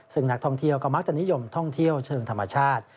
ซึ่งนักท่องเที่ยวก็มักจะนิยมท่องเที่ยวเชิงธรรมชาติ